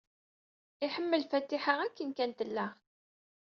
Iḥemmel Fatiḥa akken kan tella.